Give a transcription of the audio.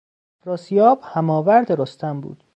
افراسیاب هماورد رستم بود.